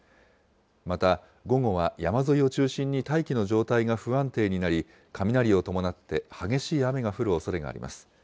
また、午後は山沿いを中心に大気の状態が不安定になり、雷を伴って激しい雨が降るおそれがあります。